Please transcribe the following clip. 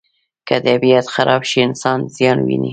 که طبیعت خراب شي، انسان زیان ویني.